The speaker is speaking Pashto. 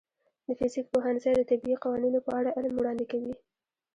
د فزیک پوهنځی د طبیعي قوانینو په اړه علم وړاندې کوي.